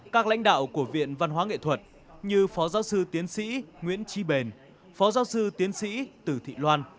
các lãnh đạo của viện văn hóa nghệ thuật như phó giáo sư tiến sĩ nguyễn tri bền phó giáo sư tiến sĩ tử thị loan